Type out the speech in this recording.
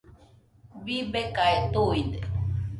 Bibekae tuide.